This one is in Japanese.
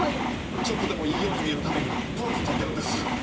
ちょっとでもいいように見えるためにポーズ取ってるんです。